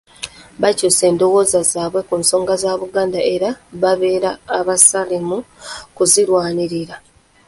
Bakyuse endowooza zaabwe ku nsonga za Buganda era babeere abasaale mu kuzirwanirira.